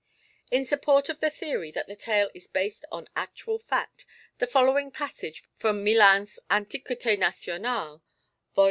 In support of the theory that the tale is based on actual fact, the following passage from Millin's Antiquités Nationales (vol.